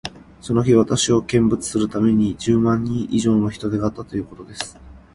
その日、私を見物するために、十万人以上の人出があったということです。